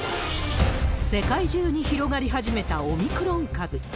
世界中に広がり始めたオミクロン株。